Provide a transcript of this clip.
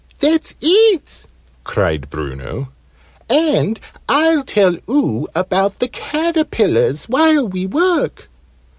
"That's it!" cried Bruno. "And I'll tell oo about the caterpillars while we work."